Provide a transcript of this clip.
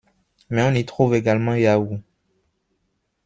Mais on y trouve également Yahoo!